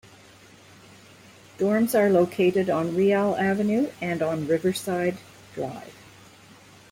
Dorms are located on Riale Avenue and on Riverside Drive.